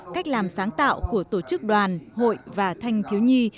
cách làm sáng tạo của tổ chức đoàn hội và thanh thiếu nhi